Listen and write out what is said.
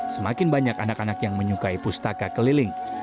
semakin banyak anak anak yang menyukai pustaka keliling